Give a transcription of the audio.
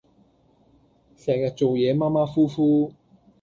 成日做野馬馬虎虎